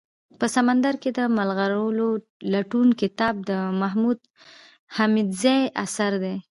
په سمندر کي دملغلرولټون کتاب دمحمودحميدزي اثر دئ